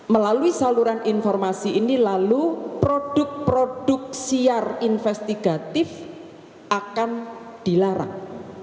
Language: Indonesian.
melalui saluran informasi ini lalu produk produk siar investigatif akan dilarang